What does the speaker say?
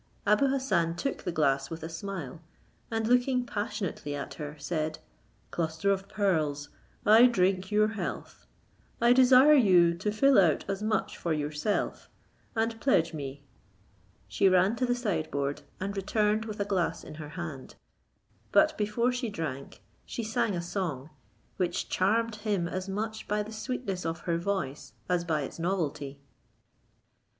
Abou Hassan took the glass with a smile, and looking passionately at her, said, "Cluster of Pearls, I drink your health; I desire you to fill out as much for yourself, and pledge me." She ran to the sideboard, and returned with a glass in her hand; but before she drank, she sung a song, which charmed him as much by the sweetness of her voice as by its novelty.